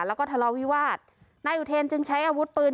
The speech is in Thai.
แล้วก็ทะเลาวิวาดน่ายุโธรินตร์จึงใช้อาวุธปืน